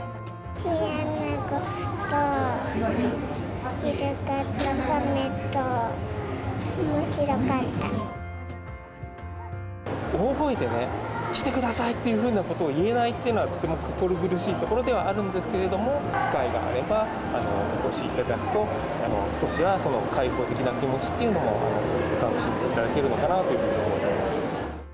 チンアナゴと、イルカと、大声でね、来てください！っていうふうに言えないっていうのは、とても心苦しいところではあるんですけれども、機会があればお越しいただくと、少しはその開放的な気持ちっていうのも、楽しんでいただけるのかなというふうに思ってます。